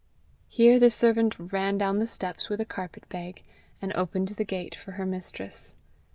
Here the servant ran down the steps with a carpet bag, and opened the gate for her mistress.